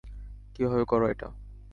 কীভাবে করো এটা?